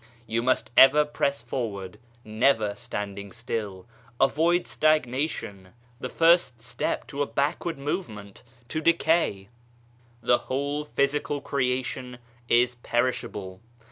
You must ever press forward, never standing still ; avoid stagnation, the first step to a backward movement, to decay. The whole physical creation is perishable.